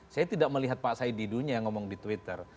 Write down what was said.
saya tidak melihat pak saididunya yang ngomong di twitter